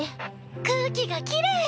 空気がきれい。